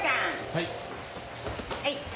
はい。